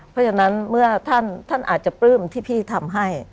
เพราะฉะนั้นเมื่อท่านอาจจะปลื้มที่พี่ทำให้